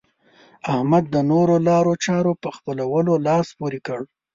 احمد د نورو لارو چارو په خپلولو لاس پورې کړ.